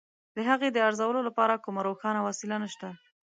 د هغې د ارزولو لپاره کومه روښانه وسیله نشته.